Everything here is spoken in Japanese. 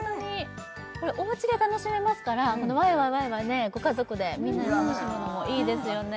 おうちで楽しめますからワイワイワイワイご家族でみんなで楽しむのもいいですよね